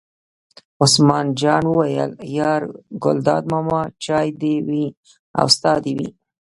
عثمان جان وویل: یار ګلداد ماما چای دې وي او ستا دې وي.